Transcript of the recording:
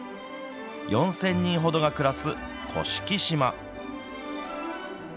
４０００人ほどが暮らす甑島。